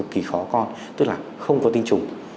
kỳ khó con tức là không có tinh trùng